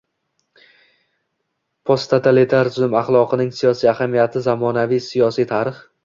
posttotalitar tuzum axloqining siyosiy ahamiyati zamonaviy siyosiy tarix